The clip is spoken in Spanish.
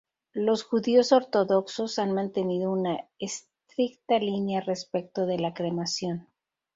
Los judíos ortodoxos han mantenido una estricta línea respecto de la cremación.